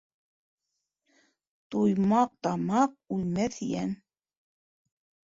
Туймаҡ тамаҡ, үлмәҫ йән.